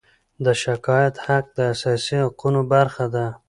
د شکایت حق د اساسي حقونو برخه ده.